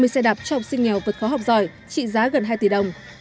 hai mươi xe đạp cho học sinh nghèo vượt khó học giỏi trị giá gần hai tỷ đồng